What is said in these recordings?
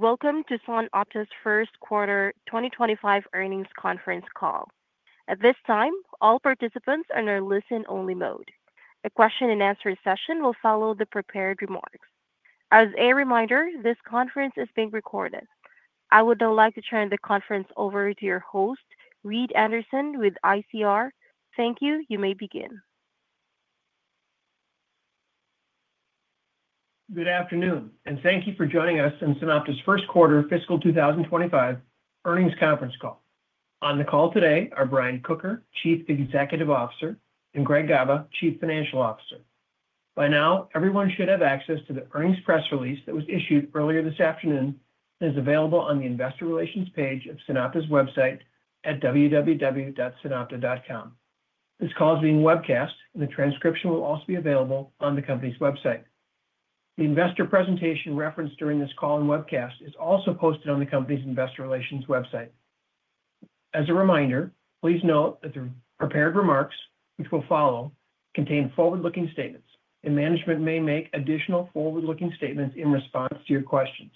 Welcome to SunOpta's first quarter 2025 earnings conference call. At this time, all participants are in a listen-only mode. A question-and-answer session will follow the prepared remarks. As a reminder, this conference is being recorded. I would now like to turn the conference over to your host, Reed Anderson with ICR. Thank you. You may begin. Good afternoon, and thank you for joining us in SunOpta's first quarter fiscal 2025 earnings conference call. On the call today are Brian Kocher, Chief Executive Officer, and Greg Gaba, Chief Financial Officer. By now, everyone should have access to the earnings press release that was issued earlier this afternoon and is available on the investor relations page of SunOpta's website at www.sunopta.com. This call is being webcast, and the transcription will also be available on the company's website. The investor presentation referenced during this call and webcast is also posted on the company's investor relations website. As a reminder, please note that the prepared remarks, which will follow, contain forward-looking statements, and management may make additional forward-looking statements in response to your questions.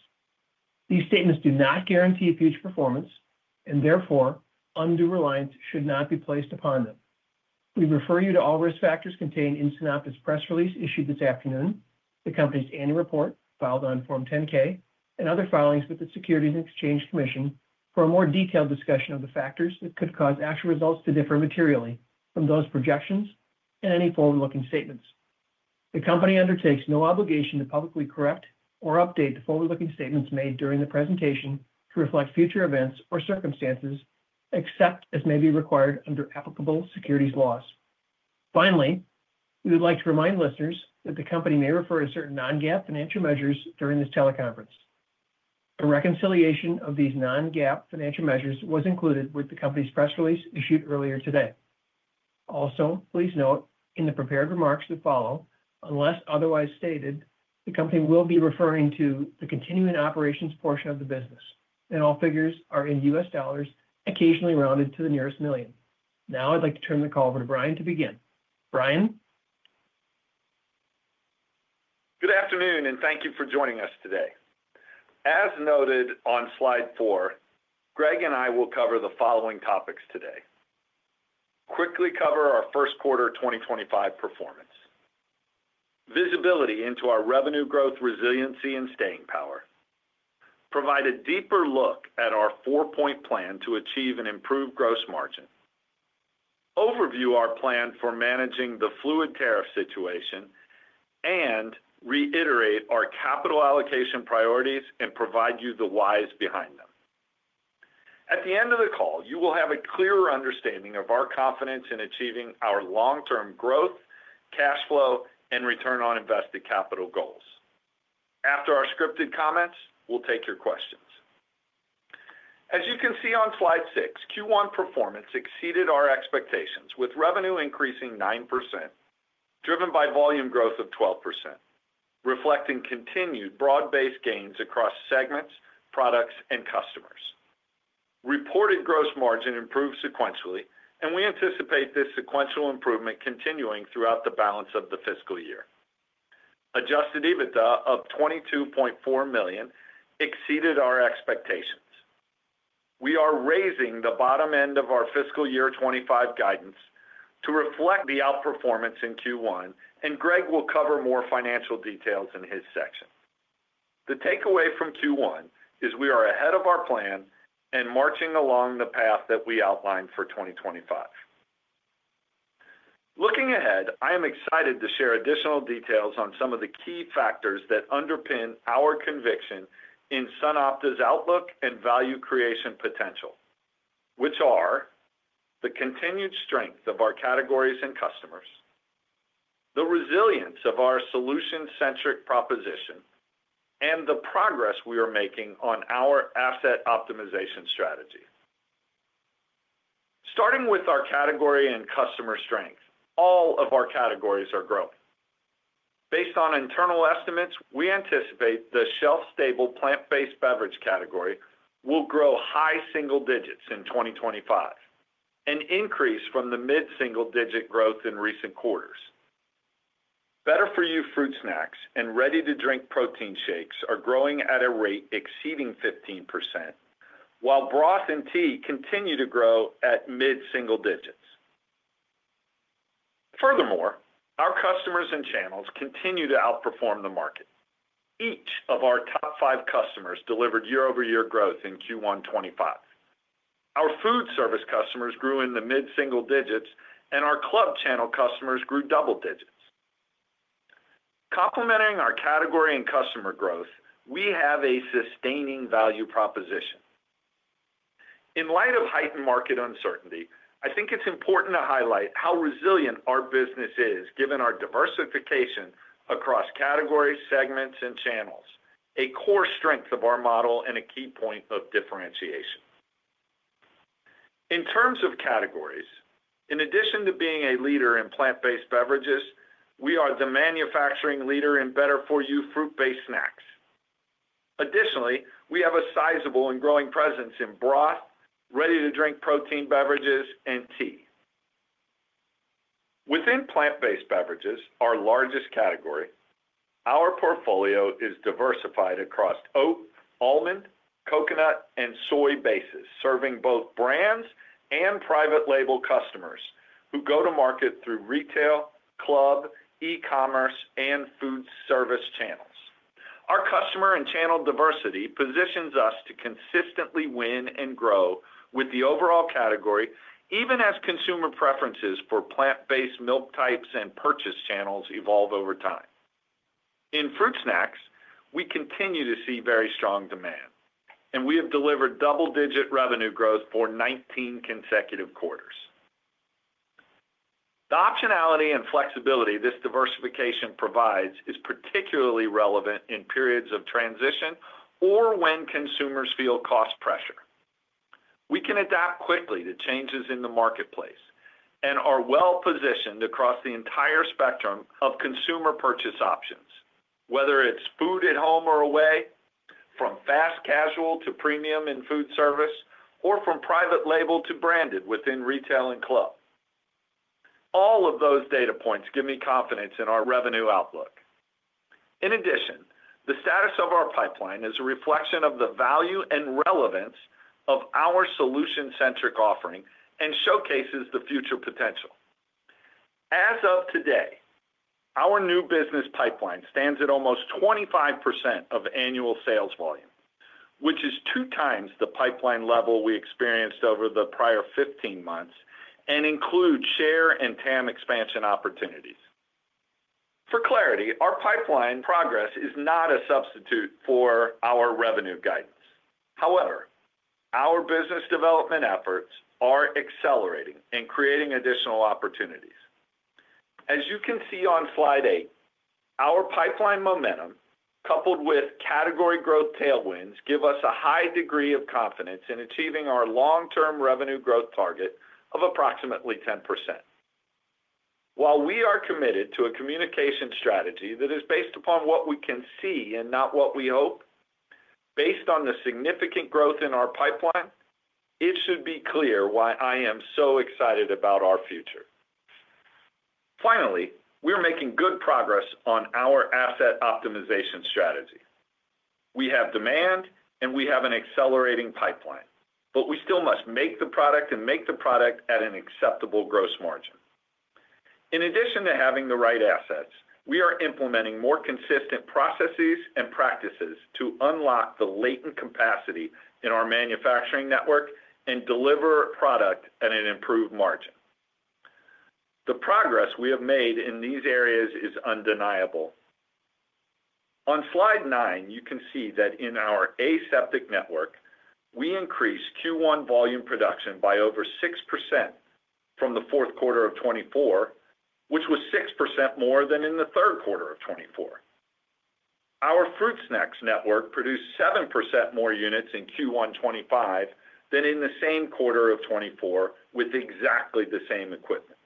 These statements do not guarantee future performance, and therefore, undue reliance should not be placed upon them. We refer you to all risk factors contained in SunOpta's press release issued this afternoon, the company's annual report filed on Form 10-K, and other filings with the Securities and Exchange Commission for a more detailed discussion of the factors that could cause actual results to differ materially from those projections and any forward-looking statements. The company undertakes no obligation to publicly correct or update the forward-looking statements made during the presentation to reflect future events or circumstances except as may be required under applicable securities laws. Finally, we would like to remind listeners that the company may refer to certain non-GAAP financial measures during this teleconference. A reconciliation of these non-GAAP financial measures was included with the company's press release issued earlier today. Also, please note in the prepared remarks that follow, unless otherwise stated, the company will be referring to the continuing operations portion of the business, and all figures are in U.S. dollars, occasionally rounded to the nearest million. Now, I'd like to turn the call over to Brian to begin. Brian. Good afternoon, and thank you for joining us today. As noted on slide four, Greg and I will cover the following topics today: quickly cover our first quarter 2025 performance, visibility into our revenue growth, resiliency, and staying power, provide a deeper look at our four-point plan to achieve an improved gross margin, overview our plan for managing the fluid tariff situation, and reiterate our capital allocation priorities and provide you the whys behind them. At the end of the call, you will have a clearer understanding of our confidence in achieving our long-term growth, cash flow, and return on invested capital goals. After our scripted comments, we'll take your questions. As you can see on slide six, Q1 performance exceeded our expectations, with revenue increasing 9%, driven by volume growth of 12%, reflecting continued broad-based gains across segments, products, and customers. Reported gross margin improved sequentially, and we anticipate this sequential improvement continuing throughout the balance of the fiscal year. Adjusted EBITDA of $22.4 million exceeded our expectations. We are raising the bottom end of our fiscal year 2025 guidance to reflect the outperformance in Q1, and Greg will cover more financial details in his section. The takeaway from Q1 is we are ahead of our plan and marching along the path that we outlined for 2025. Looking ahead, I am excited to share additional details on some of the key factors that underpin our conviction in SunOpta's outlook and value creation potential, which are the continued strength of our categories and customers, the resilience of our solution-centric proposition, and the progress we are making on our asset optimization strategy. Starting with our category and customer strength, all of our categories are growth. Based on internal estimates, we anticipate the shelf-stable plant-based beverage category will grow high single digits in 2025, an increase from the mid-single digit growth in recent quarters. Better-for-you fruit snacks and ready-to-drink protein shakes are growing at a rate exceeding 15%, while broth and tea continue to grow at mid-single digits. Furthermore, our customers and channels continue to outperform the market. Each of our top five customers delivered year-over-year growth in Q1 2025. Our food service customers grew in the mid-single digits, and our club channel customers grew double digits. Complementing our category and customer growth, we have a sustaining value proposition. In light of heightened market uncertainty, I think it is important to highlight how resilient our business is, given our diversification across categories, segments, and channels, a core strength of our model, and a key point of differentiation. In terms of categories, in addition to being a leader in plant-based beverages, we are the manufacturing leader in better-for-you fruit-based snacks. Additionally, we have a sizable and growing presence in broth, ready-to-drink protein beverages, and tea. Within plant-based beverages, our largest category, our portfolio is diversified across oat, almond, coconut, and soy bases, serving both brands and private label customers who go to market through retail, club, e-commerce, and food service channels. Our customer and channel diversity positions us to consistently win and grow with the overall category, even as consumer preferences for plant-based milk types and purchase channels evolve over time. In fruit snacks, we continue to see very strong demand, and we have delivered double-digit revenue growth for 19 consecutive quarters. The optionality and flexibility this diversification provides is particularly relevant in periods of transition or when consumers feel cost pressure. We can adapt quickly to changes in the marketplace and are well-positioned across the entire spectrum of consumer purchase options, whether it's food at home or away, from fast casual to premium in food service, or from private label to branded within retail and club. All of those data points give me confidence in our revenue outlook. In addition, the status of our pipeline is a reflection of the value and relevance of our solution-centric offering and showcases the future potential. As of today, our new business pipeline stands at almost 25% of annual sales volume, which is two times the pipeline level we experienced over the prior 15 months and includes share and TAM expansion opportunities. For clarity, our pipeline progress is not a substitute for our revenue guidance. However, our business development efforts are accelerating and creating additional opportunities. As you can see on slide eight, our pipeline momentum, coupled with category growth tailwinds, gives us a high degree of confidence in achieving our long-term revenue growth target of approximately 10%. While we are committed to a communication strategy that is based upon what we can see and not what we hope, based on the significant growth in our pipeline, it should be clear why I am so excited about our future. Finally, we are making good progress on our asset optimization strategy. We have demand, and we have an accelerating pipeline, but we still must make the product and make the product at an acceptable gross margin. In addition to having the right assets, we are implementing more consistent processes and practices to unlock the latent capacity in our manufacturing network and deliver product at an improved margin. The progress we have made in these areas is undeniable. On slide nine, you can see that in our aseptic network, we increased Q1 volume production by over 6% from the fourth quarter of 2024, which was 6% more than in the third quarter of 2024. Our fruit snacks network produced 7% more units in Q1 2025 than in the same quarter of 2024 with exactly the same equipment.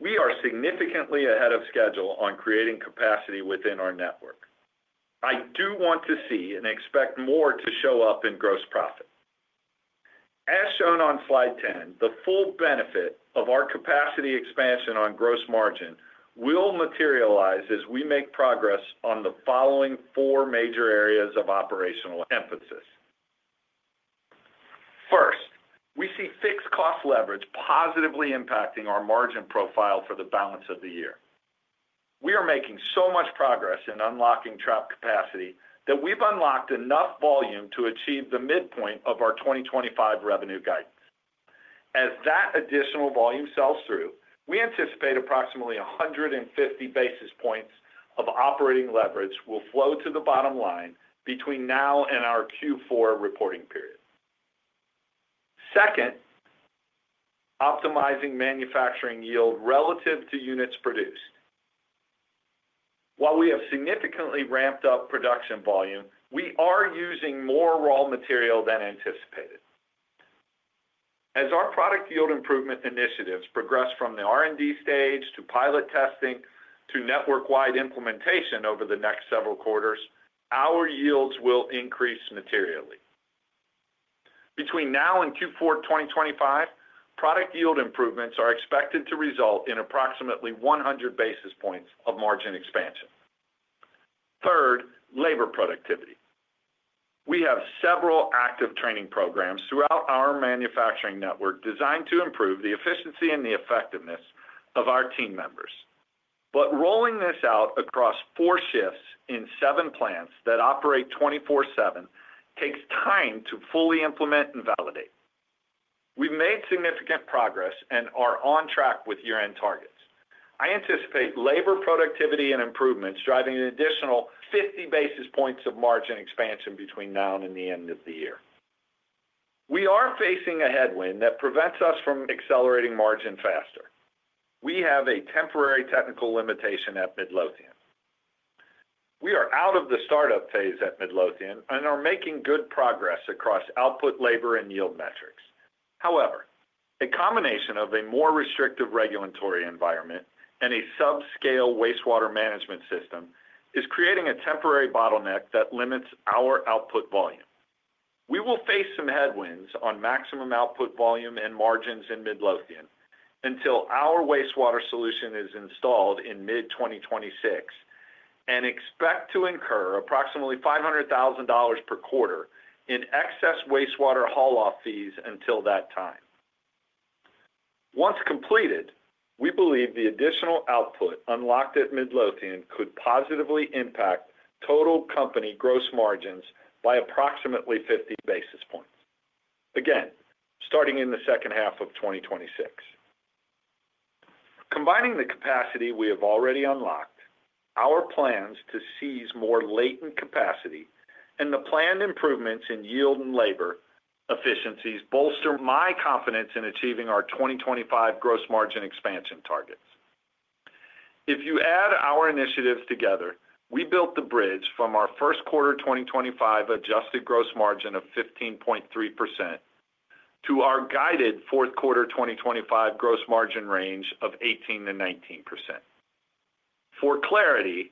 We are significantly ahead of schedule on creating capacity within our network. I do want to see and expect more to show up in gross profit. As shown on slide 10, the full benefit of our capacity expansion on gross margin will materialize as we make progress on the following four major areas of operational emphasis. First, we see fixed cost leverage positively impacting our margin profile for the balance of the year. We are making so much progress in unlocking trap capacity that we've unlocked enough volume to achieve the midpoint of our 2025 revenue guidance. As that additional volume sells through, we anticipate approximately 150 basis points of operating leverage will flow to the bottom line between now and our Q4 reporting period. Second, optimizing manufacturing yield relative to units produced. While we have significantly ramped up production volume, we are using more raw material than anticipated. As our product yield improvement initiatives progress from the R&D stage to pilot testing to network-wide implementation over the next several quarters, our yields will increase materially. Between now and Q4 2025, product yield improvements are expected to result in approximately 100 basis points of margin expansion. Third, labor productivity. We have several active training programs throughout our manufacturing network designed to improve the efficiency and the effectiveness of our team members. Rolling this out across four shifts in seven plants that operate 24/7 takes time to fully implement and validate. We've made significant progress and are on track with year-end targets. I anticipate labor productivity and improvements driving an additional 50 basis points of margin expansion between now and the end of the year. We are facing a headwind that prevents us from accelerating margin faster. We have a temporary technical limitation at Midlothian. We are out of the startup phase at Midlothian and are making good progress across output, labor, and yield metrics. However, a combination of a more restrictive regulatory environment and a subscale wastewater management system is creating a temporary bottleneck that limits our output volume. We will face some headwinds on maximum output volume and margins in Midlothian until our wastewater solution is installed in mid-2026 and expect to incur approximately $500,000 per quarter in excess wastewater haul-off fees until that time. Once completed, we believe the additional output unlocked at Midlothian could positively impact total company gross margins by approximately 50 basis points, again, starting in the second half of 2026. Combining the capacity we have already unlocked, our plans to seize more latent capacity, and the planned improvements in yield and labor efficiencies bolster my confidence in achieving our 2025 gross margin expansion targets. If you add our initiatives together, we built the bridge from our first quarter 2025 adjusted gross margin of 15.3% to our guided fourth quarter 2025 gross margin range of 18%-19%. For clarity,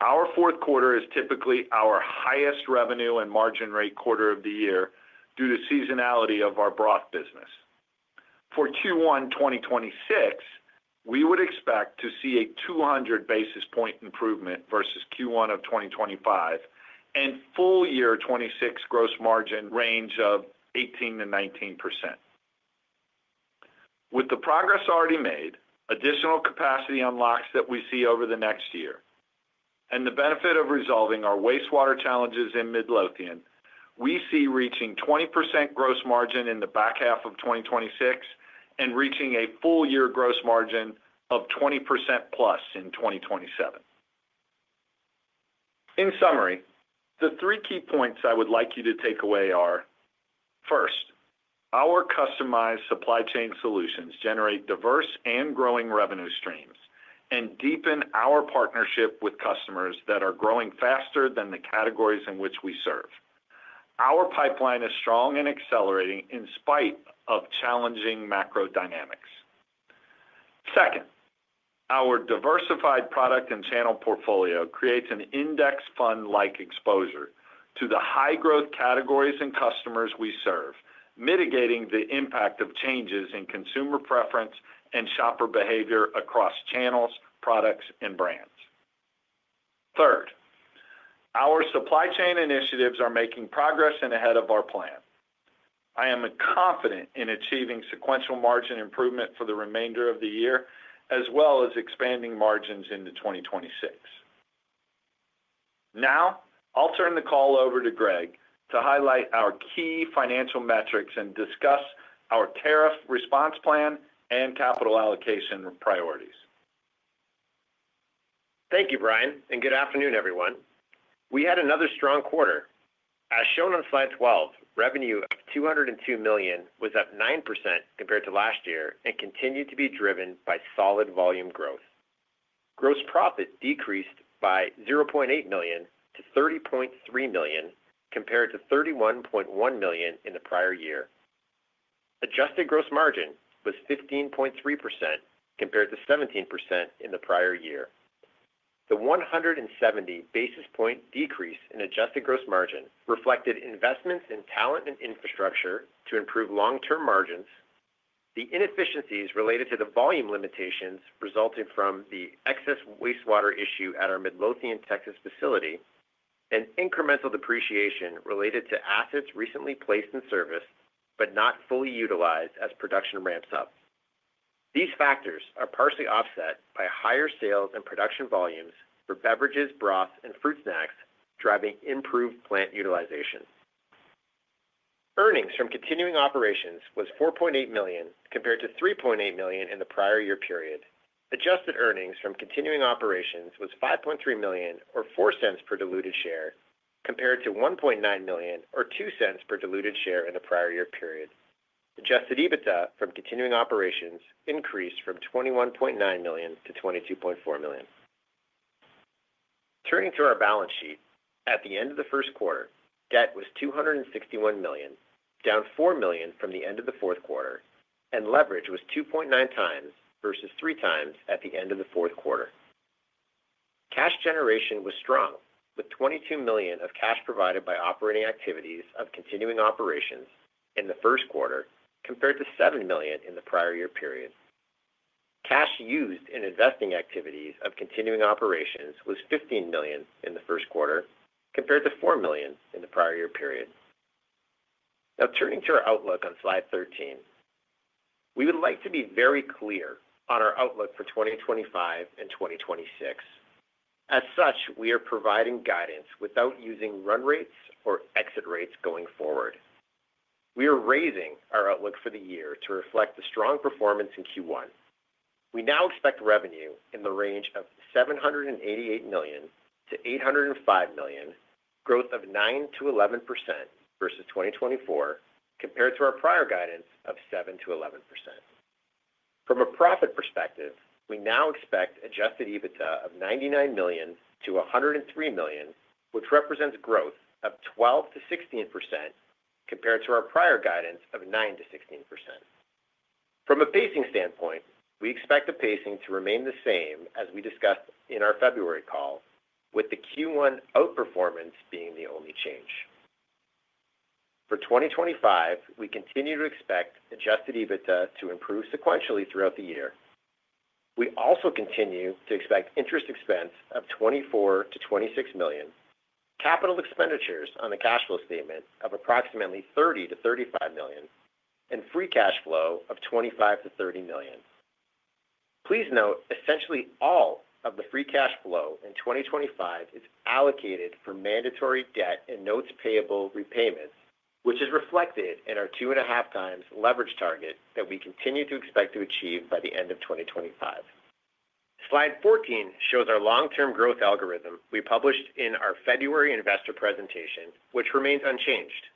our fourth quarter is typically our highest revenue and margin rate quarter of the year due to seasonality of our broth business. For Q1 2026, we would expect to see a 200 basis point improvement versus Q1 of 2025 and full year 2026 gross margin range of 18%-19%. With the progress already made, additional capacity unlocks that we see over the next year, and the benefit of resolving our wastewater challenges in Midlothian, we see reaching 20% gross margin in the back half of 2026 and reaching a full year gross margin of 20% plus in 2027. In summary, the three key points I would like you to take away are: first, our customized supply chain solutions generate diverse and growing revenue streams and deepen our partnership with customers that are growing faster than the categories in which we serve. Our pipeline is strong and accelerating in spite of challenging macro dynamics. Second, our diversified product and channel portfolio creates an index fund-like exposure to the high-growth categories and customers we serve, mitigating the impact of changes in consumer preference and shopper behavior across channels, products, and brands. Third, our supply chain initiatives are making progress and ahead of our plan. I am confident in achieving sequential margin improvement for the remainder of the year, as well as expanding margins into 2026. Now, I'll turn the call over to Greg to highlight our key financial metrics and discuss our tariff response plan and capital allocation priorities. Thank you, Brian, and good afternoon, everyone. We had another strong quarter. As shown on slide 12, revenue of $202 million was up 9% compared to last year and continued to be driven by solid volume growth. Gross profit decreased by $0.8 million to $30.3 million compared to $31.1 million in the prior year. Adjusted gross margin was 15.3% compared to 17% in the prior year. The 170 basis point decrease in adjusted gross margin reflected investments in talent and infrastructure to improve long-term margins, the inefficiencies related to the volume limitations resulting from the excess wastewater issue at our Midlothian, Texas facility, and incremental depreciation related to assets recently placed in service but not fully utilized as production ramps up. These factors are partially offset by higher sales and production volumes for beverages, broth, and fruit snacks, driving improved plant utilization. Earnings from continuing operations was $4.8 million compared to $3.8 million in the prior year period. Adjusted earnings from continuing operations was $5.3 million, or $0.04 per diluted share, compared to $1.9 million, or $0.02 per diluted share in the prior year period. Adjusted EBITDA from continuing operations increased from $21.9 million to $22.4 million. Turning to our balance sheet, at the end of the first quarter, debt was $261 million, down $4 million from the end of the fourth quarter, and leverage was 2.9 times versus three times at the end of the fourth quarter. Cash generation was strong, with $22 million of cash provided by operating activities of continuing operations in the first quarter compared to $7 million in the prior year period. Cash used in investing activities of continuing operations was $15 million in the first quarter compared to $4 million in the prior year period. Now, turning to our outlook on slide 13, we would like to be very clear on our outlook for 2025 and 2026. As such, we are providing guidance without using run rates or exit rates going forward. We are raising our outlook for the year to reflect the strong performance in Q1. We now expect revenue in the range of $788 million-$805 million, growth of 9%-11% versus 2024, compared to our prior guidance of 7%-11%. From a profit perspective, we now expect adjusted EBITDA of $99 million-$103 million, which represents growth of 12%-16% compared to our prior guidance of 9%-16%. From a pacing standpoint, we expect the pacing to remain the same as we discussed in our February call, with the Q1 outperformance being the only change. For 2025, we continue to expect adjusted EBITDA to improve sequentially throughout the year. We also continue to expect interest expense of $24 million-$26 million, capital expenditures on the cash flow statement of approximately $30 million-$35 million, and free cash flow of $25 million-$30 million. Please note essentially all of the free cash flow in 2025 is allocated for mandatory debt and notes payable repayments, which is reflected in our 2.5 times leverage target that we continue to expect to achieve by the end of 2025. Slide 14 shows our long-term growth algorithm we published in our February investor presentation, which remains unchanged.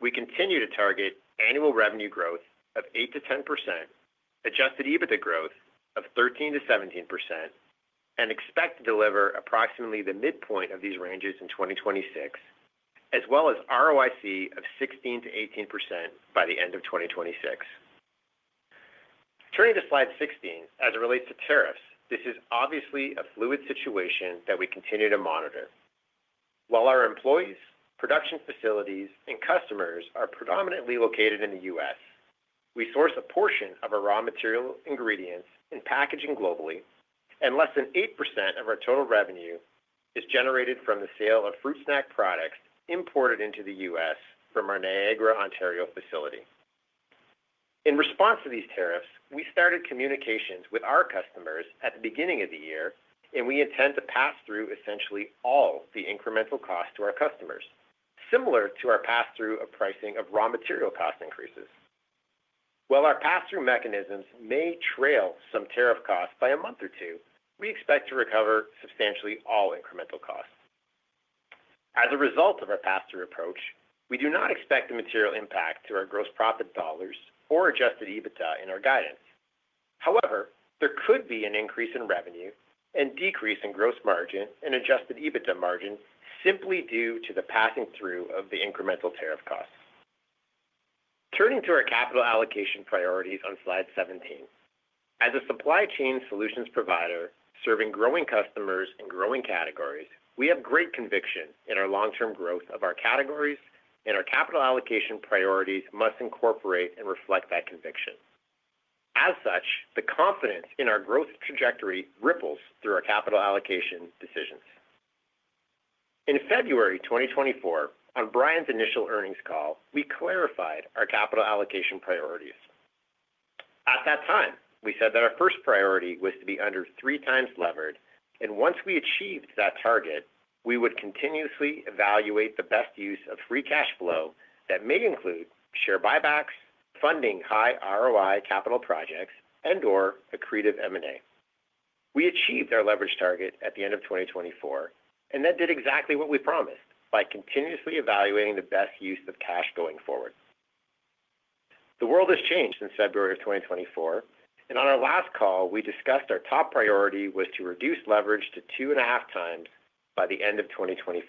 We continue to target annual revenue growth of 8%-10%, adjusted EBITDA growth of 13%-17%, and expect to deliver approximately the midpoint of these ranges in 2026, as well as ROIC of 16%-18% by the end of 2026. Turning to slide 16, as it relates to tariffs, this is obviously a fluid situation that we continue to monitor. While our employees, production facilities, and customers are predominantly located in the U.S., we source a portion of our raw material ingredients and packaging globally, and less than 8% of our total revenue is generated from the sale of fruit snack products imported into the U.S. from our Niagara, Ontario facility. In response to these tariffs, we started communications with our customers at the beginning of the year, and we intend to pass through essentially all the incremental costs to our customers, similar to our pass-through of pricing of raw material cost increases. While our pass-through mechanisms may trail some tariff costs by a month or two, we expect to recover substantially all incremental costs. As a result of our pass-through approach, we do not expect a material impact to our gross profit dollars or adjusted EBITDA in our guidance. However, there could be an increase in revenue and decrease in gross margin and adjusted EBITDA margin simply due to the passing through of the incremental tariff costs. Turning to our capital allocation priorities on slide 17, as a supply chain solutions provider serving growing customers and growing categories, we have great conviction in our long-term growth of our categories, and our capital allocation priorities must incorporate and reflect that conviction. As such, the confidence in our growth trajectory ripples through our capital allocation decisions. In February 2024, on Brian's initial earnings call, we clarified our capital allocation priorities. At that time, we said that our first priority was to be under three times levered, and once we achieved that target, we would continuously evaluate the best use of free cash flow that may include share buybacks, funding high ROI capital projects, and/or accretive M&A. We achieved our leverage target at the end of 2024, and that did exactly what we promised by continuously evaluating the best use of cash going forward. The world has changed since February of 2024, and on our last call, we discussed our top priority was to reduce leverage to 2.5 times by the end of 2025.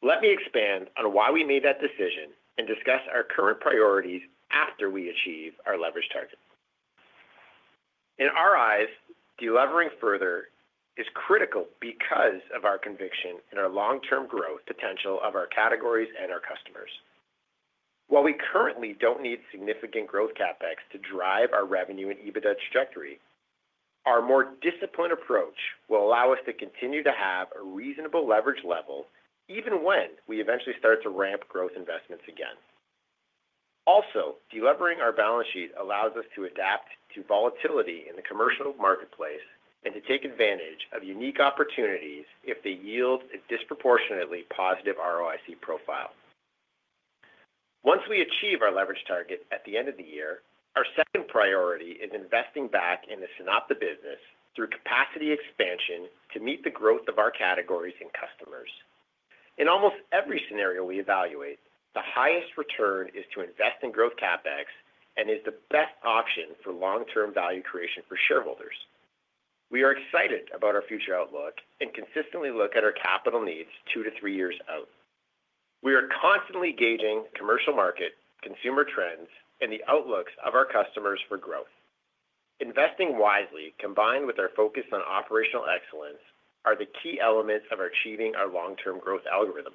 Let me expand on why we made that decision and discuss our current priorities after we achieve our leverage target. In our eyes, delivering further is critical because of our conviction in our long-term growth potential of our categories and our customers. While we currently do not need significant growth CapEx to drive our revenue and EBITDA trajectory, our more disciplined approach will allow us to continue to have a reasonable leverage level even when we eventually start to ramp growth investments again. Also, delivering our balance sheet allows us to adapt to volatility in the commercial marketplace and to take advantage of unique opportunities if they yield a disproportionately positive ROIC profile. Once we achieve our leverage target at the end of the year, our second priority is investing back in the SunOpta business through capacity expansion to meet the growth of our categories and customers. In almost every scenario we evaluate, the highest return is to invest in growth CapEx and is the best option for long-term value creation for shareholders. We are excited about our future outlook and consistently look at our capital needs two to three years out. We are constantly gauging commercial market, consumer trends, and the outlooks of our customers for growth. Investing wisely, combined with our focus on operational excellence, are the key elements of achieving our long-term growth algorithm.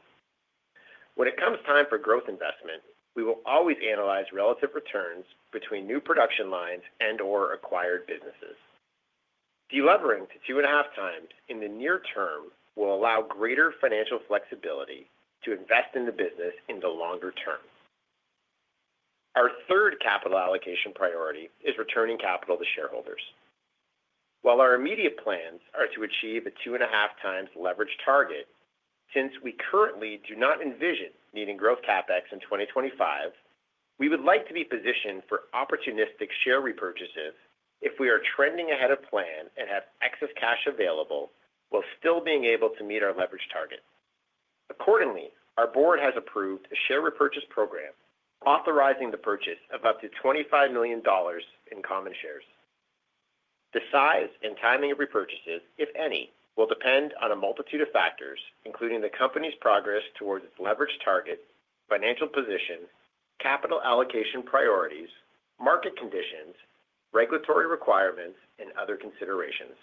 When it comes time for growth investment, we will always analyze relative returns between new production lines and/or acquired businesses. Delivering to 2.5 times in the near term will allow greater financial flexibility to invest in the business in the longer term. Our third capital allocation priority is returning capital to shareholders. While our immediate plans are to achieve a 2.5 times leverage target, since we currently do not envision needing growth CapEx in 2025, we would like to be positioned for opportunistic share repurchases if we are trending ahead of plan and have excess cash available while still being able to meet our leverage target. Accordingly, our board has approved a share repurchase program authorizing the purchase of up to $25 million in common shares. The size and timing of repurchases, if any, will depend on a multitude of factors, including the company's progress towards its leverage target, financial position, capital allocation priorities, market conditions, regulatory requirements, and other considerations.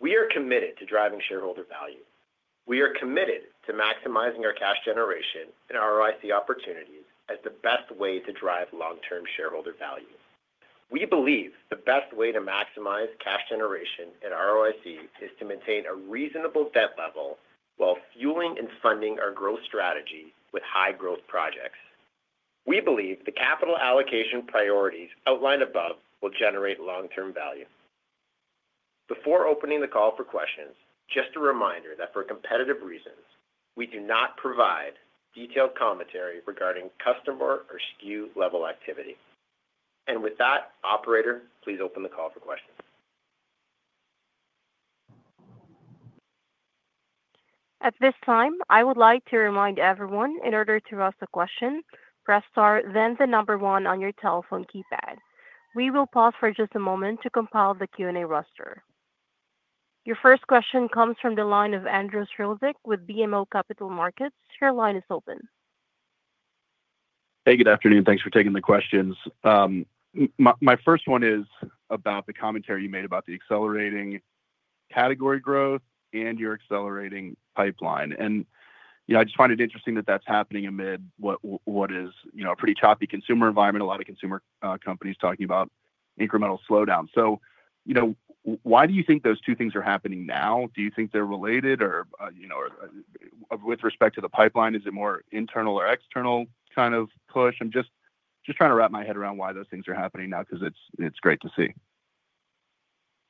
We are committed to driving shareholder value. We are committed to maximizing our cash generation and ROIC opportunities as the best way to drive long-term shareholder value. We believe the best way to maximize cash generation and ROIC is to maintain a reasonable debt level while fueling and funding our growth strategy with high-growth projects. We believe the capital allocation priorities outlined above will generate long-term value. Before opening the call for questions, just a reminder that for competitive reasons, we do not provide detailed commentary regarding customer or SKU level activity. With that, Operator, please open the call for questions. At this time, I would like to remind everyone in order to ask a question, press star, then the number one on your telephone keypad. We will pause for just a moment to compile the Q&A roster. Your first question comes from the line of Andrew Strelzik with BMO Capital Markets. Your line is open. Hey, good afternoon. Thanks for taking the questions. My first one is about the commentary you made about the accelerating category growth and your accelerating pipeline. I just find it interesting that that's happening amid what is a pretty choppy consumer environment, a lot of consumer companies talking about incremental slowdown. Why do you think those two things are happening now? Do you think they're related? Or with respect to the pipeline, is it more internal or external kind of push? I'm just trying to wrap my head around why those things are happening now because it's great to see.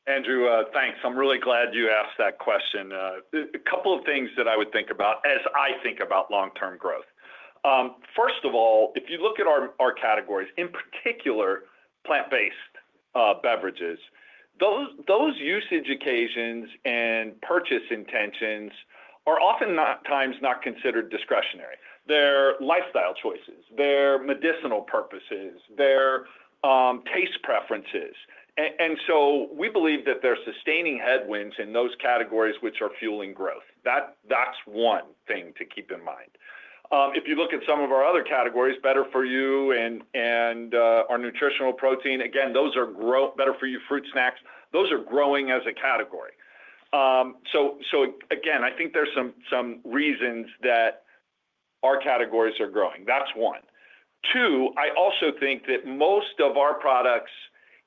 Andrew, thanks. I'm really glad you asked that question. A couple of things that I would think about as I think about long-term growth. First of all, if you look at our categories, in particular, plant-based beverages, those usage occasions and purchase intentions are oftentimes not considered discretionary. They're lifestyle choices. They're medicinal purposes. They're taste preferences. We believe that there are sustaining headwinds in those categories which are fueling growth. That's one thing to keep in mind. If you look at some of our other categories, better for you and our nutritional protein, again, those are better for you, fruit snacks, those are growing as a category. Again, I think there's some reasons that our categories are growing. That's one. Two, I also think that most of our products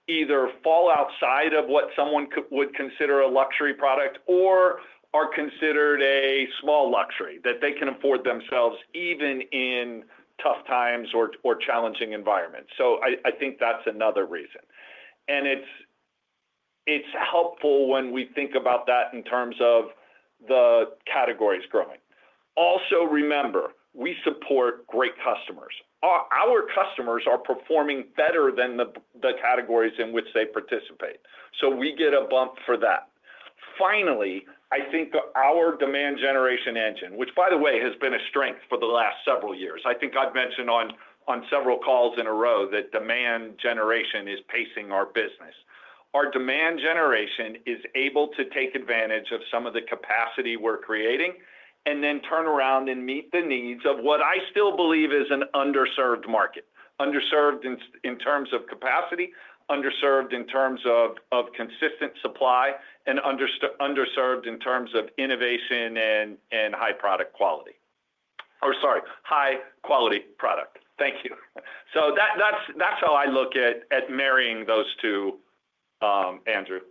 either fall outside of what someone would consider a luxury product or are considered a small luxury that they can afford themselves even in tough times or challenging environments. I think that is another reason. It is helpful when we think about that in terms of the categories growing. Also, remember, we support great customers. Our customers are performing better than the categories in which they participate. We get a bump for that. Finally, I think our demand generation engine, which, by the way, has been a strength for the last several years, I think I have mentioned on several calls in a row that demand generation is pacing our business. Our demand generation is able to take advantage of some of the capacity we are creating and then turn around and meet the needs of what I still believe is an underserved market, underserved in terms of capacity, underserved in terms of consistent supply, and underserved in terms of innovation and high quality product. Sorry, high quality product. Thank you. That is how I look at marrying those two, Andrew.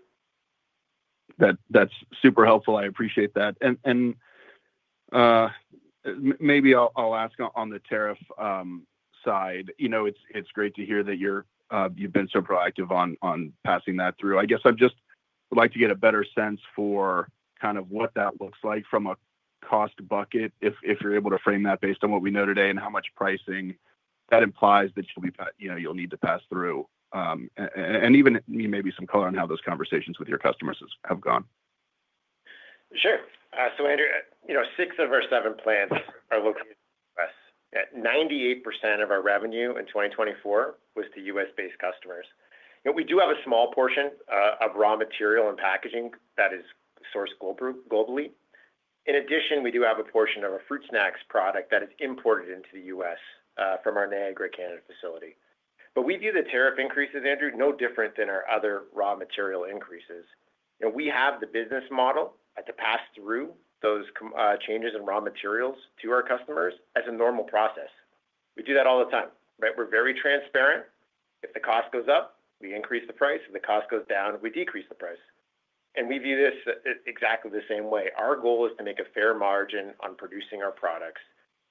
That is super helpful. I appreciate that. Maybe I will ask on the tariff side. It is great to hear that you have been so proactive on passing that through. I guess I'd just like to get a better sense for kind of what that looks like from a cost bucket, if you're able to frame that based on what we know today and how much pricing that implies that you'll need to pass through and even maybe some color on how those conversations with your customers have gone. Sure. So Andrew, six of our seven plants are located in the U.S. 98% of our revenue in 2024 was to U.S.-based customers. We do have a small portion of raw material and packaging that is sourced globally. In addition, we do have a portion of a fruit snacks product that is imported into the U.S. from our Niagara, Canada facility. We view the tariff increases, Andrew, no different than our other raw material increases. We have the business model to pass through those changes in raw materials to our customers as a normal process. We do that all the time. We're very transparent. If the cost goes up, we increase the price. If the cost goes down, we decrease the price. We view this exactly the same way. Our goal is to make a fair margin on producing our products.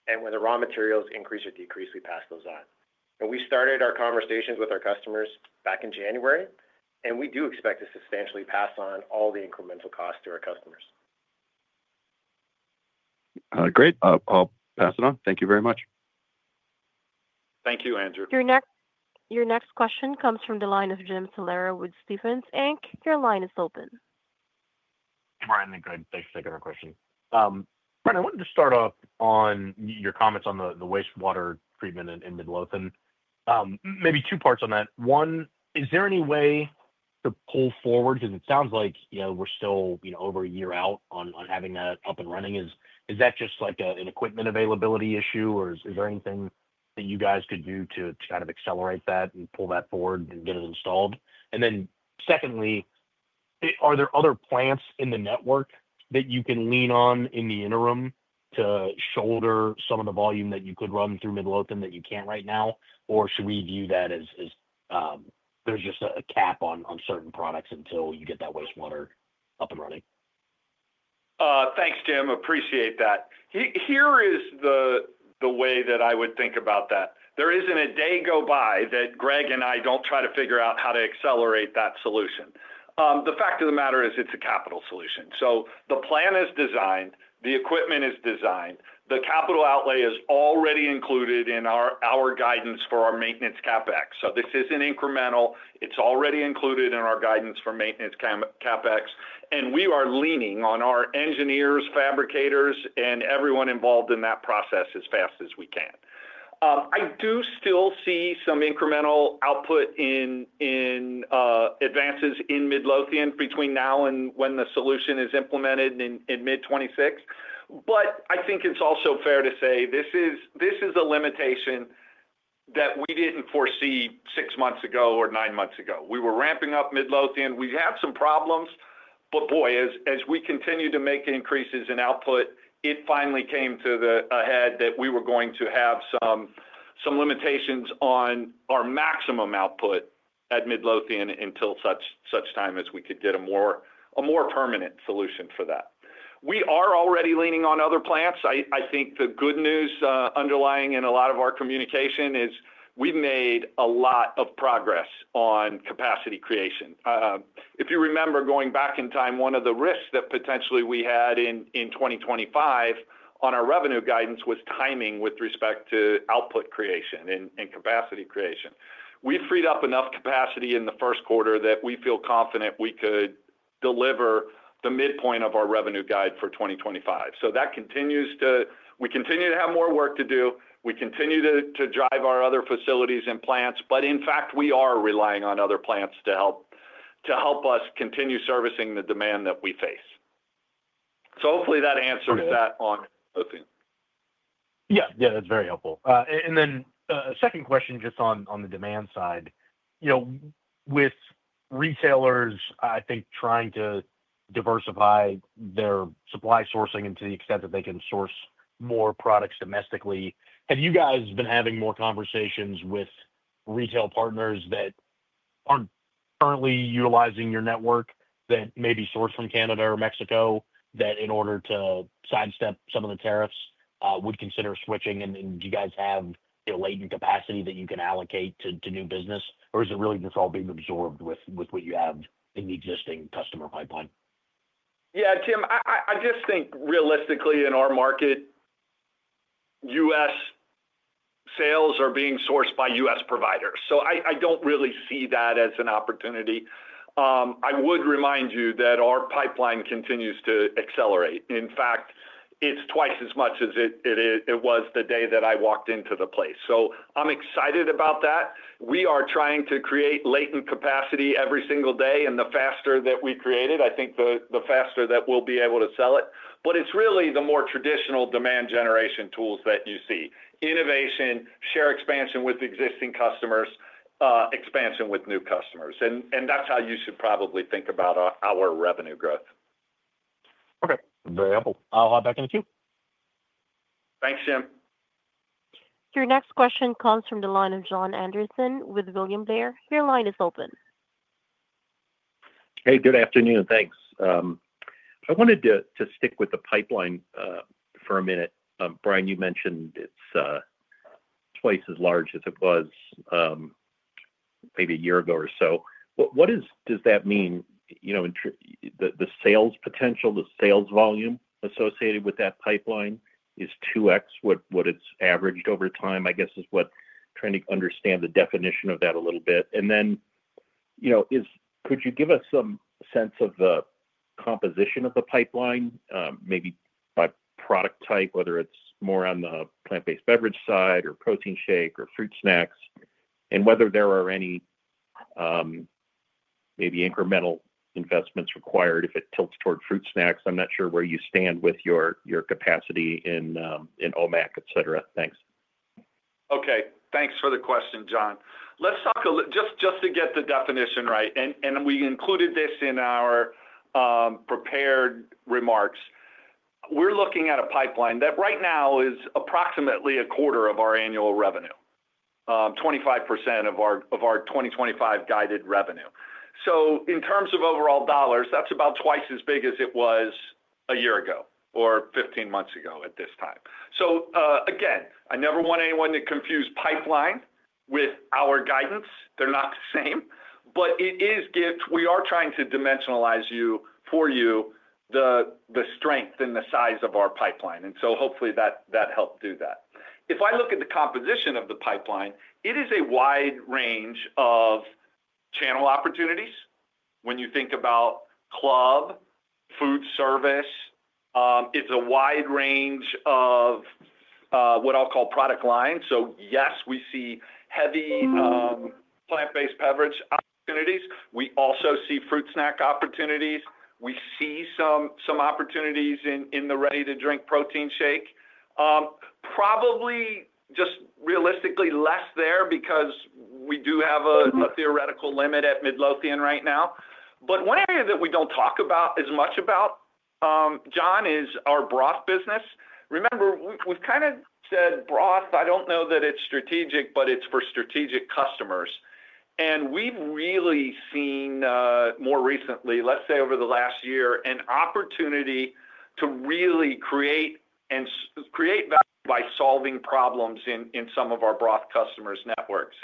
When the raw materials increase or decrease, we pass those on. We started our conversations with our customers back in January, and we do expect to substantially pass on all the incremental costs to our customers. Great. I'll pass it on. Thank you very much. Thank you, Andrew. Your next question comes from the line of Jim Salera with Stephens Inc. Your line is open. Brian, I think I can take another question. Brian, I wanted to start off on your comments on the wastewater treatment in Midlothian. Maybe two parts on that. One, is there any way to pull forward? Because it sounds like we're still over a year out on having that up and running. Is that just an equipment availability issue, or is there anything that you guys could do to kind of accelerate that and pull that forward and get it installed? Secondly, are there other plants in the network that you can lean on in the interim to shoulder some of the volume that you could run through Midlothian that you can't right now? Or should we view that as there's just a cap on certain products until you get that wastewater up and running? Thanks, Jim. Appreciate that. Here is the way that I would think about that. There isn't a day go by that Greg and I don't try to figure out how to accelerate that solution. The fact of the matter is it's a capital solution. The plan is designed. The equipment is designed. The capital outlay is already included in our guidance for our maintenance CapEx. This isn't incremental. It's already included in our guidance for maintenance CapEx. We are leaning on our engineers, fabricators, and everyone involved in that process as fast as we can. I do still see some incremental output in advances in Midlothian between now and when the solution is implemented in mid-2026. I think it's also fair to say this is a limitation that we didn't foresee six months ago or nine months ago. We were ramping up Midlothian. We had some problems. As we continued to make increases in output, it finally came to the head that we were going to have some limitations on our maximum output at Midlothian until such time as we could get a more permanent solution for that. We are already leaning on other plants. I think the good news underlying in a lot of our communication is we've made a lot of progress on capacity creation. If you remember going back in time, one of the risks that potentially we had in 2025 on our revenue guidance was timing with respect to output creation and capacity creation. We freed up enough capacity in the first quarter that we feel confident we could deliver the midpoint of our revenue guide for 2025. We continue to have more work to do. We continue to drive our other facilities and plants. In fact, we are relying on other plants to help us continue servicing the demand that we face. Hopefully that answers that on Midlothian. Yeah, that's very helpful. A second question just on the demand side. With retailers, I think trying to diversify their supply sourcing to the extent that they can source more products domestically, have you guys been having more conversations with retail partners that are not currently utilizing your network that may be sourced from Canada or Mexico that in order to sidestep some of the tariffs would consider switching? Do you guys have latent capacity that you can allocate to new business? Or is it really just all being absorbed with what you have in the existing customer pipeline? Tim, I just think realistically in our market, U.S. sales are being sourced by U.S. providers. I do not really see that as an opportunity. I would remind you that our pipeline continues to accelerate. In fact, it is twice as much as it was the day that I walked into the place. I am excited about that. We are trying to create latent capacity every single day. The faster that we create it, I think the faster that we will be able to sell it. It is really the more traditional demand generation tools that you see: innovation, share expansion with existing customers, expansion with new customers. That is how you should probably think about our revenue growth. Okay. Very helpful. I will hop back in the queue. Thanks, Jim. Your next question comes from the line of Jon Andersen with William Blair. Your line is open. Hey, good afternoon. Thanks. I wanted to stick with the pipeline for a minute. Brian, you mentioned it's twice as large as it was maybe a year ago or so. What does that mean? The sales potential, the sales volume associated with that pipeline is 2x what it's averaged over time, I guess, is what trying to understand the definition of that a little bit. Could you give us some sense of the composition of the pipeline, maybe by product type, whether it's more on the plant-based beverage side or protein shake or fruit snacks, and whether there are any maybe incremental investments required if it tilts toward fruit snacks? I'm not sure where you stand with your capacity in OMAC, etc. Thanks. Okay. Thanks for the question, Jon. Let's talk just to get the definition right. We included this in our prepared remarks. We're looking at a pipeline that right now is approximately a quarter of our annual revenue, 25% of our 2025 guided revenue. In terms of overall dollars, that's about twice as big as it was a year ago or 15 months ago at this time. I never want anyone to confuse pipeline with our guidance. They're not the same. It is GIFT. We are trying to dimensionalize for you the strength and the size of our pipeline. Hopefully that helped do that. If I look at the composition of the pipeline, it is a wide range of channel opportunities. When you think about club, food service, it's a wide range of what I'll call product line. Yes, we see heavy plant-based beverage opportunities. We also see fruit snack opportunities. We see some opportunities in the ready-to-drink protein shake. Probably just realistically less there because we do have a theoretical limit at Midlothian right now. One area that we do not talk about as much about, Jon, is our broth business. Remember, we have kind of said broth. I do not know that it is strategic, but it is for strategic customers. We have really seen more recently, let us say over the last year, an opportunity to really create value by solving problems in some of our broth customers' networks.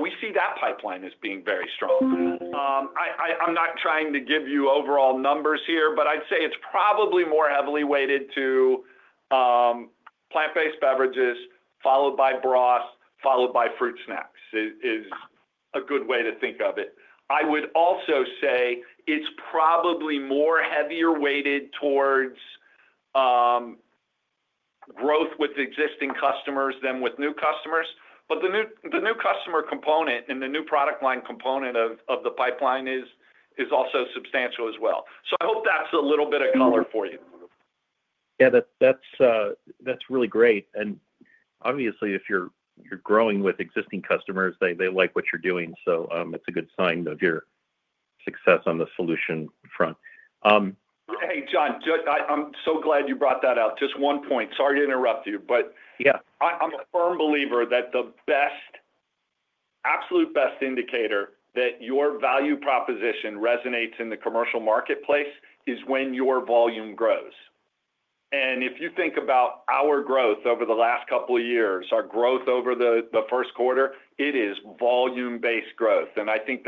We see that pipeline as being very strong. I am not trying to give you overall numbers here, but I would say it is probably more heavily weighted to plant-based beverages followed by broth, followed by fruit snacks is a good way to think of it. I would also say it is probably more heavily weighted towards growth with existing customers than with new customers. The new customer component and the new product line component of the pipeline is also substantial as well. I hope that's a little bit of color for you. Yeah, that's really great. Obviously, if you're growing with existing customers, they like what you're doing. It's a good sign of your success on the solution front. Hey, Jon, I'm so glad you brought that up. Just one point. Sorry to interrupt you, but I'm a firm believer that the absolute best indicator that your value proposition resonates in the commercial marketplace is when your volume grows. If you think about our growth over the last couple of years, our growth over the first quarter, it is volume-based growth. I think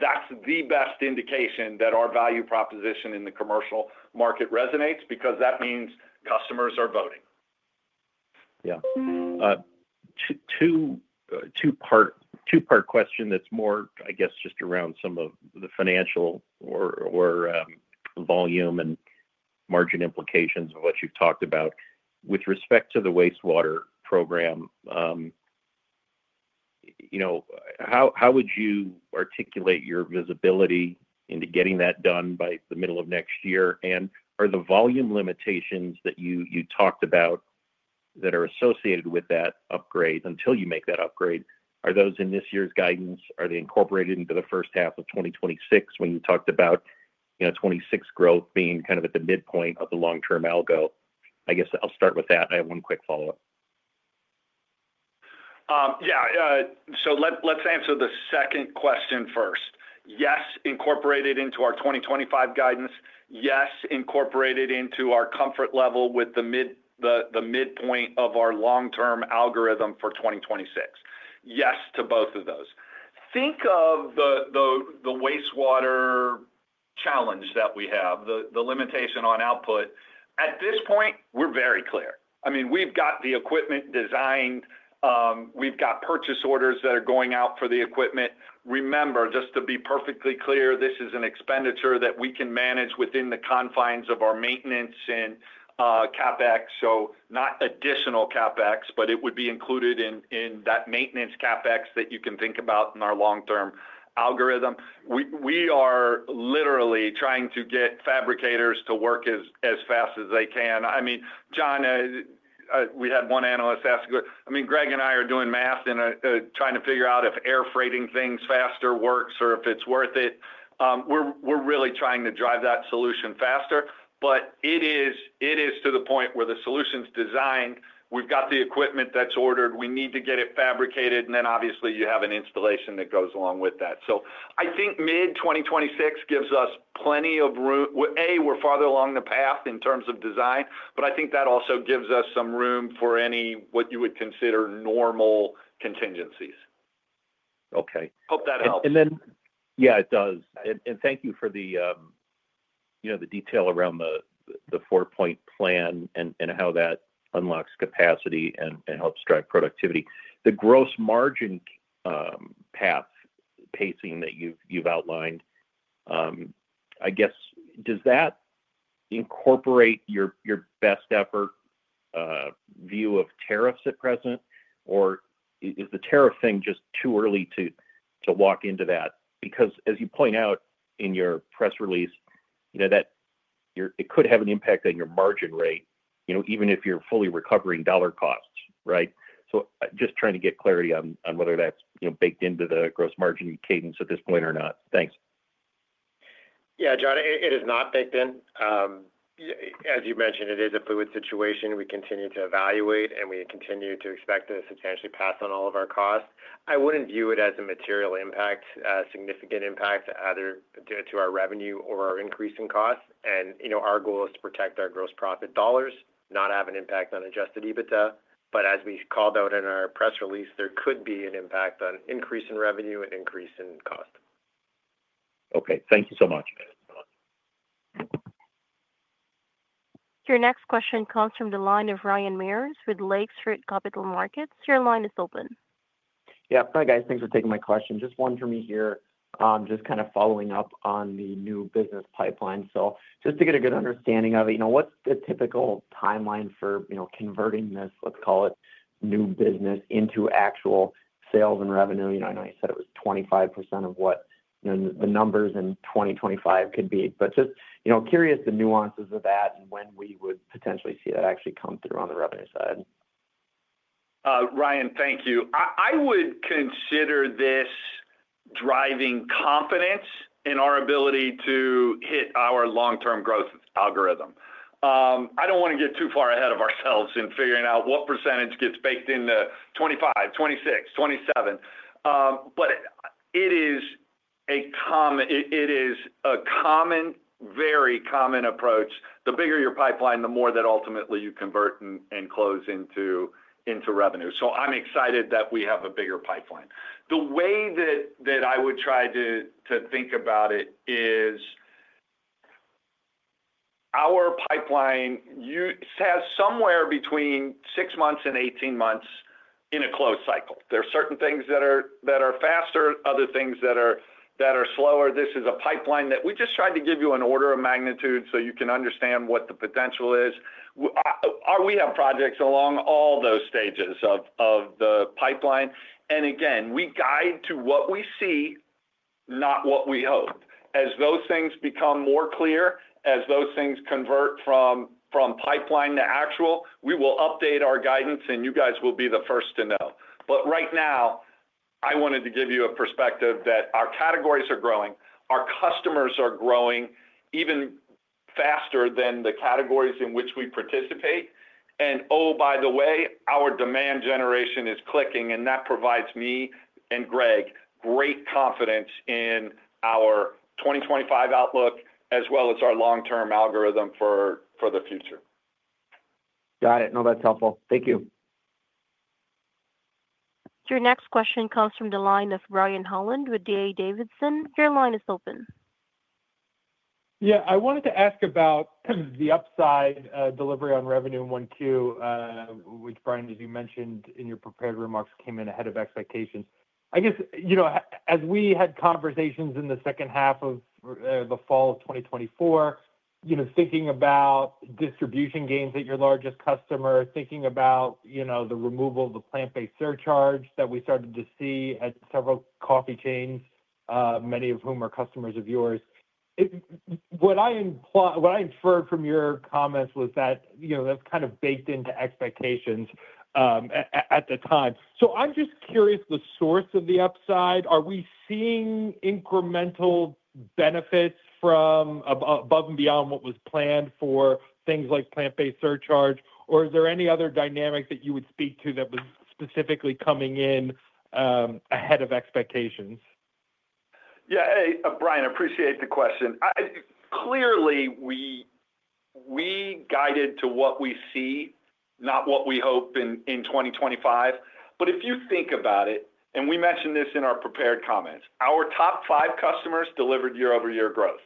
that's the best indication that our value proposition in the commercial market resonates because that means customers are voting. Yeah. Two-part question that's more, I guess, just around some of the financial or volume and margin implications of what you've talked about. With respect to the wastewater program, how would you articulate your visibility into getting that done by the middle of next year? Are the volume limitations that you talked about that are associated with that upgrade, until you make that upgrade, are those in this year's guidance? Are they incorporated into the first half of 2026 when you talked about 2026 growth being kind of at the midpoint of the long-term algo? I guess I'll start with that. I have one quick follow-up. Yeah. Let's answer the second question first. Yes, incorporated into our 2025 guidance. Yes, incorporated into our comfort level with the midpoint of our long-term algorithm for 2026. Yes to both of those. Think of the wastewater challenge that we have, the limitation on output. At this point, we're very clear. I mean, we've got the equipment designed. We've got purchase orders that are going out for the equipment. Remember, just to be perfectly clear, this is an expenditure that we can manage within the confines of our maintenance and CapEx. Not additional CapEx, but it would be included in that maintenance CapEx that you can think about in our long-term algorithm. We are literally trying to get fabricators to work as fast as they can. I mean, Jon, we had one analyst ask you. I mean, Greg and I are doing math and trying to figure out if air freighting things faster works or if it's worth it. We're really trying to drive that solution faster. It is to the point where the solution's designed. We've got the equipment that's ordered. We need to get it fabricated. Obviously, you have an installation that goes along with that. I think mid-2026 gives us plenty of room. A, we're farther along the path in terms of design, but I think that also gives us some room for any what you would consider normal contingencies. Hope that helps. Yeah, it does. Thank you for the detail around the four-point plan and how that unlocks capacity and helps drive productivity. The gross margin path pacing that you've outlined, I guess, does that incorporate your best-effort view of tariffs at present? Or is the tariff thing just too early to walk into that? Because as you point out in your press release, it could have an impact on your margin rate, even if you're fully recovering dollar costs, right? Just trying to get clarity on whether that's baked into the gross margin cadence at this point or not. Thanks. Yeah, Jon, it is not baked in. As you mentioned, it is a fluid situation. We continue to evaluate, and we continue to expect to substantially pass on all of our costs. I would not view it as a material impact, significant impact either to our revenue or our increase in costs. Our goal is to protect our gross profit dollars, not have an impact on adjusted EBITDA. As we called out in our press release, there could be an impact on increase in revenue and increase in cost. Okay. Thank you so much. Your next question comes from the line of Ryan Meyers with Lake Street Capital Markets. Your line is open. Yeah. Hi, guys. Thanks for taking my question. Just one for me here, just kind of following up on the new business pipeline. So just to get a good understanding of it, what's the typical timeline for converting this, let's call it, new business into actual sales and revenue? I know you said it was 25% of what the numbers in 2025 could be. But just curious the nuances of that and when we would potentially see that actually come through on the revenue side. Ryan, thank you. I would consider this driving confidence in our ability to hit our long-term growth algorithm. I don't want to get too far ahead of ourselves in figuring out what percentage gets baked into 2025, 2026, 2027. But it is a common, very common approach. The bigger your pipeline, the more that ultimately you convert and close into revenue. So I'm excited that we have a bigger pipeline. The way that I would try to think about it is our pipeline has somewhere between six months and 18 months in a closed cycle. There are certain things that are faster, other things that are slower. This is a pipeline that we just tried to give you an order of magnitude so you can understand what the potential is. We have projects along all those stages of the pipeline. Again, we guide to what we see, not what we hope. As those things become more clear, as those things convert from pipeline to actual, we will update our guidance, and you guys will be the first to know. Right now, I wanted to give you a perspective that our categories are growing. Our customers are growing even faster than the categories in which we participate. Oh, by the way, our demand generation is clicking, and that provides me and Greg great confidence in our 2025 outlook as well as our long-term algorithm for the future. Got it. No, that's helpful. Thank you. Your next question comes from the line of Brian Holland with D.A. Davidson. Your line is open. Yeah. I wanted to ask about the upside delivery on revenue in 2021, which, Brian, as you mentioned in your prepared remarks, came in ahead of expectations. I guess as we had conversations in the second half of the fall of 2024, thinking about distribution gains at your largest customer, thinking about the removal of the plant-based surcharge that we started to see at several coffee chains, many of whom are customers of yours. What I inferred from your comments was that that's kind of baked into expectations at the time. I'm just curious the source of the upside. Are we seeing incremental benefits above and beyond what was planned for things like plant-based surcharge, or is there any other dynamic that you would speak to that was specifically coming in ahead of expectations? Yeah. Brian, I appreciate the question. Clearly, we guided to what we see, not what we hope in 2025. If you think about it, and we mentioned this in our prepared comments, our top five customers delivered year-over-year growth.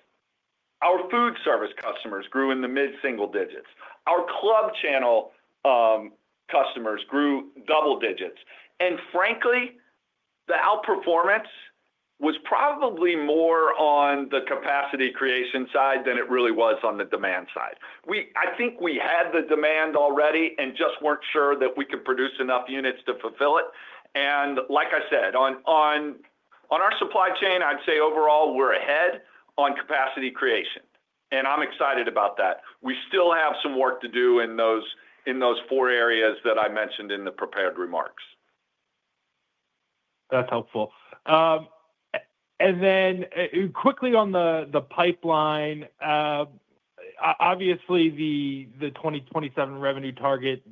Our food service customers grew in the mid-single digits. Our club channel customers grew double digits. Frankly, the outperformance was probably more on the capacity creation side than it really was on the demand side. I think we had the demand already and just weren't sure that we could produce enough units to fulfill it. Like I said, on our supply chain, I'd say overall, we're ahead on capacity creation. I'm excited about that. We still have some work to do in those four areas that I mentioned in the prepared remarks. That's helpful. Quickly on the pipeline, obviously, the 2027 revenue target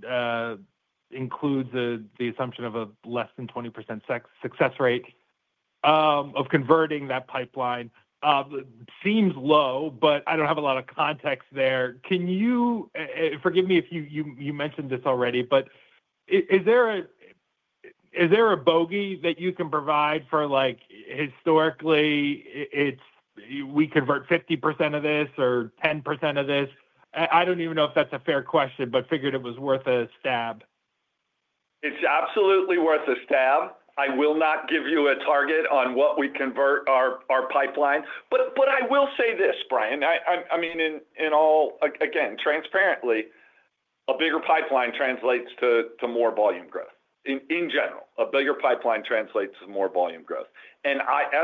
includes the assumption of a less than 20% success rate of converting that pipeline. Seems low, but I don't have a lot of context there. Forgive me if you mentioned this already, but is there a bogey that you can provide for historically, we convert 50% of this or 10% of this? I don't even know if that's a fair question, but figured it was worth a stab. It's absolutely worth a stab. I will not give you a target on what we convert our pipeline. I will say this, Brian. I mean, again, transparently, a bigger pipeline translates to more volume growth. In general, a bigger pipeline translates to more volume growth. As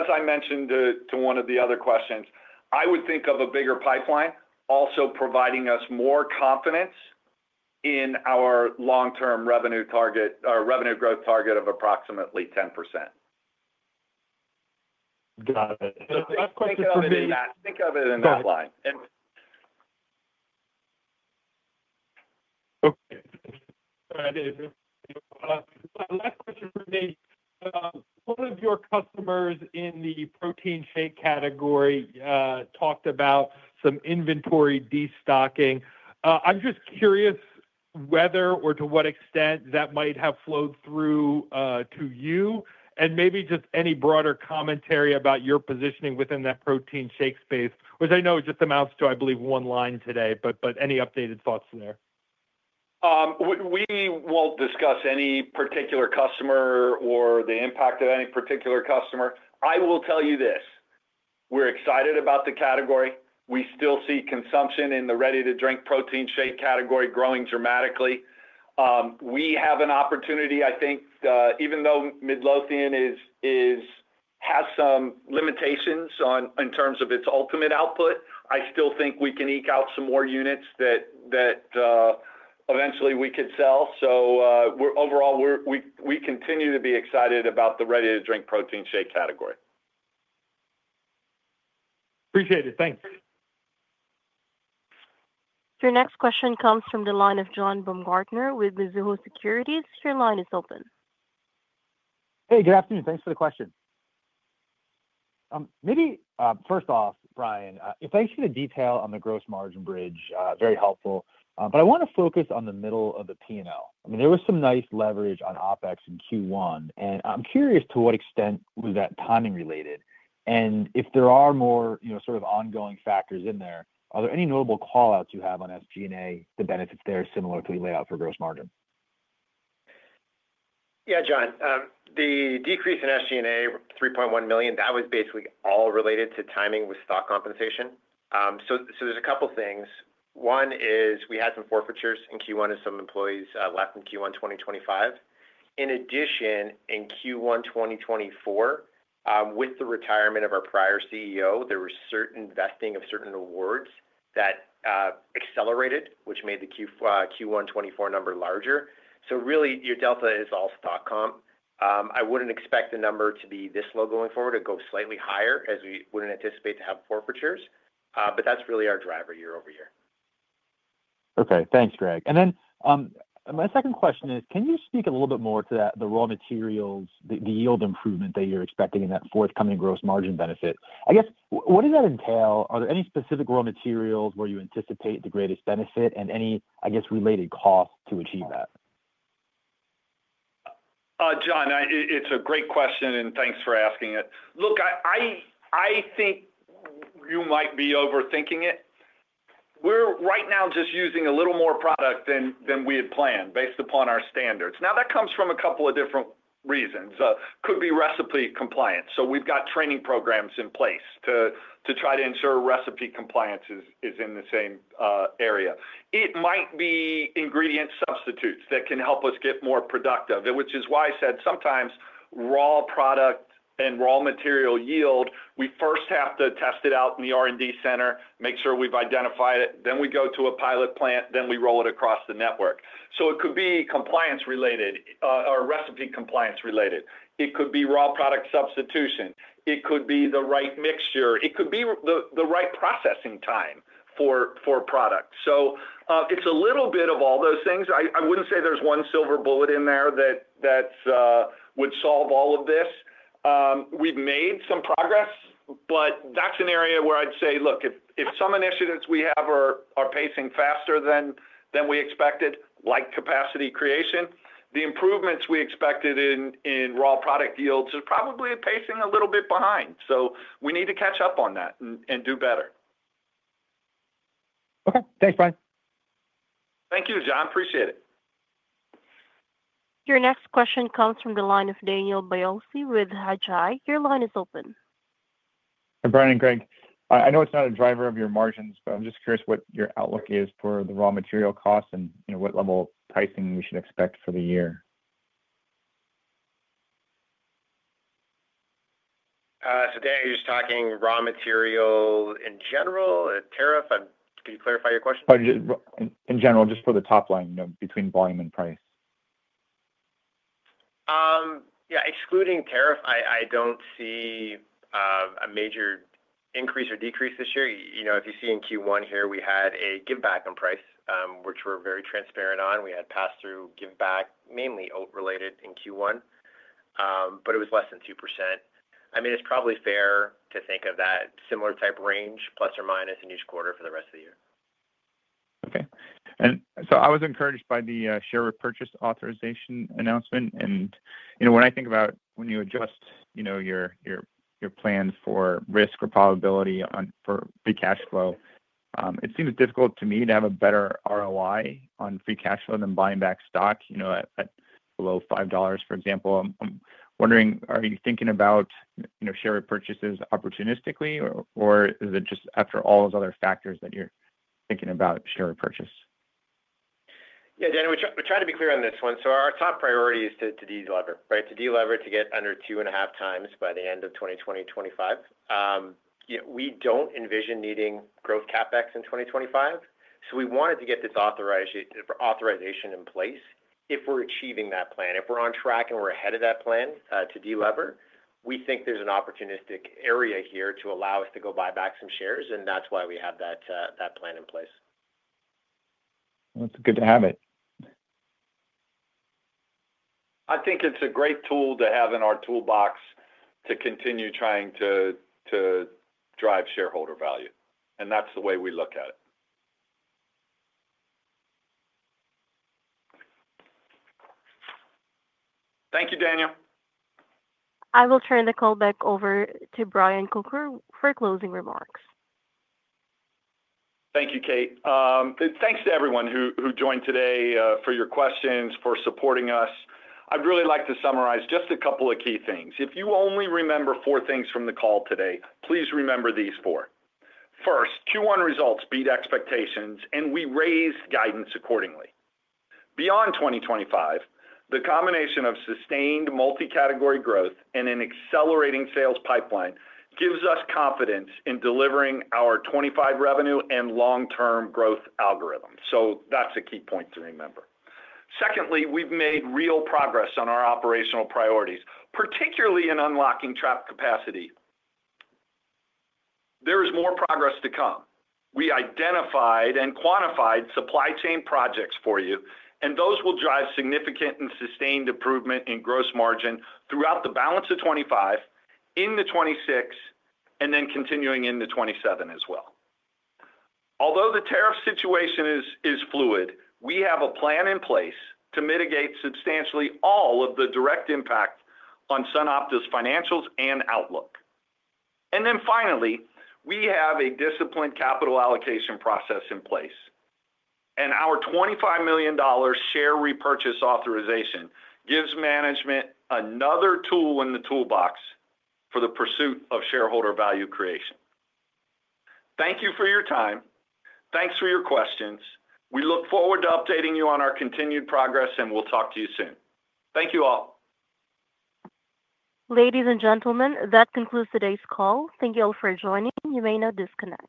I mentioned to one of the other questions, I would think of a bigger pipeline also providing us more confidence in our long-term revenue target, our revenue growth target of approximately 10%. Got it. Last question for me. Think of it in that line. Okay. Last question for me. One of your customers in the protein shake category talked about some inventory destocking. I'm just curious whether or to what extent that might have flowed through to you, and maybe just any broader commentary about your positioning within that protein shake space, which I know it just amounts to, I believe, one line today, but any updated thoughts there? We won't discuss any particular customer or the impact of any particular customer. I will tell you this. We're excited about the category. We still see consumption in the ready-to-drink protein shake category growing dramatically. We have an opportunity, I think, even though Midlothian has some limitations in terms of its ultimate output, I still think we can eke out some more units that eventually we could sell. Overall, we continue to be excited about the ready-to-drink protein shake category. Appreciate it. Thanks. Your next question comes from the line of John Baumgartner with Mizuho Securities. Your line is open. Hey, good afternoon. Thanks for the question. Maybe first off, Brian, thanks for the detail on the gross margin bridge. Very helpful. I want to focus on the middle of the P&L. I mean, there was some nice leverage on OpEx in Q1. I'm curious to what extent was that timing related? If there are more sort of ongoing factors in there, are there any notable callouts you have on SG&A? The benefits there are similar to the layout for gross margin. Yeah, John. The decrease in SG&A, $3.1 million, that was basically all related to timing with stock compensation. There are a couple of things. One is we had some forfeitures in Q1 as some employees left in Q1 2025. In addition, in Q1 2024, with the retirement of our prior CEO, there was certain vesting of certain awards that accelerated, which made the Q1 2024 number larger. Really, your delta is all stock comp. I would not expect the number to be this low going forward. It goes slightly higher as we would not anticipate to have forfeitures. That is really our driver year-over-year. Okay. Thanks, Greg. Then my second question is, can you speak a little bit more to the raw materials, the yield improvement that you're expecting in that forthcoming gross margin benefit? I guess, what does that entail? Are there any specific raw materials where you anticipate the greatest benefit and any, I guess, related costs to achieve that? John, it's a great question, and thanks for asking it. Look, I think you might be overthinking it. We're right now just using a little more product than we had planned based upon our standards. Now, that comes from a couple of different reasons. Could be recipe compliance. So we've got training programs in place to try to ensure recipe compliance is in the same area. It might be ingredient substitutes that can help us get more productive, which is why I said sometimes raw product and raw material yield, we first have to test it out in the R&D center, make sure we've identified it, then we go to a pilot plant, then we roll it across the network. It could be compliance-related or recipe compliance-related. It could be raw product substitution. It could be the right mixture. It could be the right processing time for product. It's a little bit of all those things. I wouldn't say there's one silver bullet in there that would solve all of this. We've made some progress, but that's an area where I'd say, look, if some initiatives we have are pacing faster than we expected, like capacity creation, the improvements we expected in raw product yields are probably pacing a little bit behind. We need to catch up on that and do better. Okay. Thanks, Brian. Thank you, John. Appreciate it. Your next question comes from the line of Daniel Biolsi with Hedgeye. Your line is open. Hi, Brian and Greg. I know it's not a driver of your margins, but I'm just curious what your outlook is for the raw material costs and what level of pricing we should expect for the year. Daniel's talking raw material in general and tariff. Can you clarify your question? In general, just for the top line between volume and price. Yeah. Excluding tariff, I do not see a major increase or decrease this year. If you see in Q1 here, we had a give back on price, which we are very transparent on. We had pass-through give back, mainly oat-related in Q1, but it was less than 2%. I mean, it's probably fair to think of that similar type range, plus or minus in each quarter for the rest of the year. Okay. I was encouraged by the share repurchase authorization announcement. When I think about when you adjust your plans for risk or probability for free cash flow, it seems difficult to me to have a better ROI on free cash flow than buying back stock at below $5, for example. I'm wondering, are you thinking about share repurchases opportunistically, or is it just after all those other factors that you're thinking about share repurchase? Yeah, Daniel, we're trying to be clear on this one. Our top priority is to deliver, right? To deliver to get under two and a half times by the end of 2025. We don't envision needing growth CapEx in 2025. We wanted to get this authorization in place if we're achieving that plan. If we're on track and we're ahead of that plan to deliver, we think there's an opportunistic area here to allow us to go buy back some shares, and that's why we have that plan in place. It's good to have it. I think it's a great tool to have in our toolbox to continue trying to drive shareholder value. That's the way we look at it. Thank you, Daniel. I will turn the call back over to Brian Kocher for closing remarks. Thank you, Kate. Thanks to everyone who joined today for your questions, for supporting us. I'd really like to summarize just a couple of key things. If you only remember four things from the call today, please remember these four. First, Q1 results beat expectations, and we raised guidance accordingly. Beyond 2025, the combination of sustained multi-category growth and an accelerating sales pipeline gives us confidence in delivering our 2025 revenue and long-term growth algorithm. That is a key point to remember. Secondly, we have made real progress on our operational priorities, particularly in unlocking trapped capacity. There is more progress to come. We identified and quantified supply chain projects for you, and those will drive significant and sustained improvement in gross margin throughout the balance of 2025, in 2026, and then continuing in 2027 as well. Although the tariff situation is fluid, we have a plan in place to mitigate substantially all of the direct impact on SunOpta's financials and outlook. Finally, we have a disciplined capital allocation process in place. Our $25 million share repurchase authorization gives management another tool in the toolbox for the pursuit of shareholder value creation. Thank you for your time. Thanks for your questions. We look forward to updating you on our continued progress, and we'll talk to you soon. Thank you all. Ladies and gentlemen, that concludes today's call. Thank you all for joining. You may now disconnect.